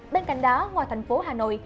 bên cạnh đó ngoài thành phố hà nội